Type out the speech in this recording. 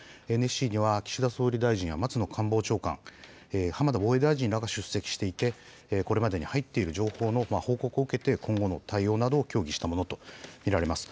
ＮＳＣには岸田総理大臣や松野官房長官、浜田防衛大臣らが出席していて、これまでに入っている情報の報告を受けて、今後の対応などを協議したものと見られます。